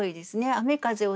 「雨風を」？